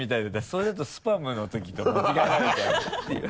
それだと「スパム」のときと間違えられちゃうなっていう。